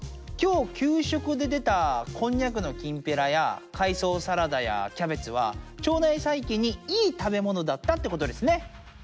きょう給食ででたこんにゃくのきんぴらや海藻サラダやキャベツは腸内細菌にいい食べ物だったってことですね！